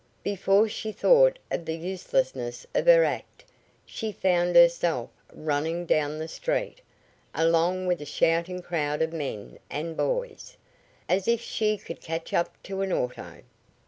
Before she thought of the uselessness of her act she found herself running down the street, along with a shouting crowd of men and boys. As if she could catch up to an auto!